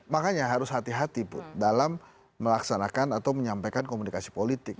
makanya harus hati hati dalam melaksanakan atau menyampaikan komunikasi politik